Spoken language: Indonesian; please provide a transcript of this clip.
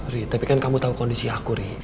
ri tapi kan kamu tahu kondisi aku ri